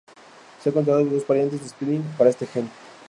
Se han encontrado dos variantes de splicing para este gen.